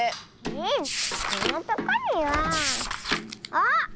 えそんなとこにはあっ！